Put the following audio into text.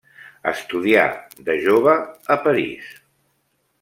Estudià, de jove, a París.